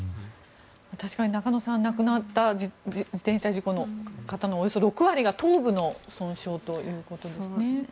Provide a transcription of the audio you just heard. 確かに中野さん亡くなった方自転車事故のおよそ６割が頭部の損傷ということです。